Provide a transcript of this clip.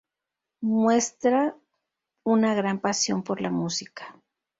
Muestra una gran pasión por la música.